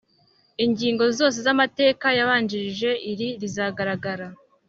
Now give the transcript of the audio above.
ingingo zose z amateka yabanjirije iri ziragaragara